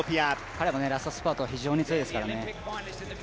彼もラストスパートは非常に強いですからね。